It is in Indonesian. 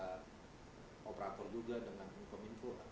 atau mungkin oleh operator juga dengan kominfo